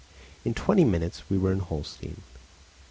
In twenty minutes we were in Holstein.